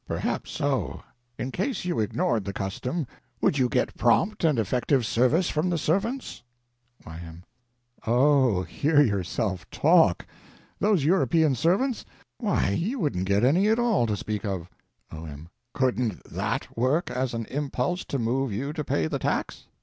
Perhaps so. In case you ignored the custom would you get prompt and effective service from the servants? Y.M. Oh, hear yourself talk! Those European servants? Why, you wouldn't get any at all, to speak of. O.M. Couldn't that work as an impulse to move you to pay the tax?